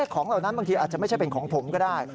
เหล่านั้นบางทีอาจจะไม่ใช่เป็นของผมก็ได้